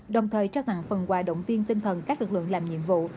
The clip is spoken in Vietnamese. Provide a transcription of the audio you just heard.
đồng thời trao thẳng phần quả động viên tinh thần các lực lượng làm nhiệm vụ